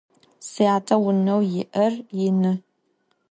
Syate vuneu yi'er yinı.